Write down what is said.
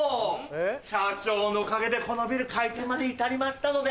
社長のおかげでこのビル開店まで至りましたので。